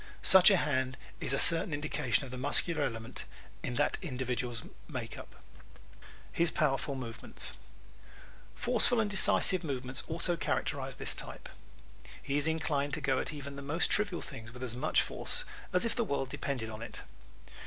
Such a hand is a certain indication of the muscular element in that individual's makeup. His Powerful Movements ¶ Forceful, decisive movements also characterize this type. He is inclined to go at even the most trivial things with as much force as if the world depended on it.